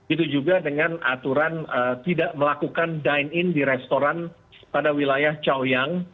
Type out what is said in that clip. itu juga dengan aturan tidak melakukan dine in di restoran pada wilayah choyang